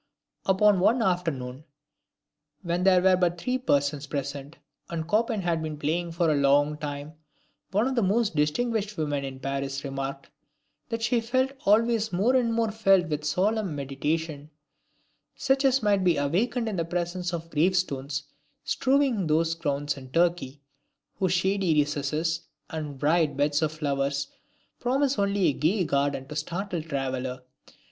Upon one afternoon, when there were but three persons present, and Chopin had been playing for a long time, one of the most distinguished women in Paris remarked, that she felt always more and more filled with solemn meditation, such as might be awakened in presence of the grave stones strewing those grounds in Turkey, whose shady recesses and bright beds of flowers promise only a gay garden to the startled traveller.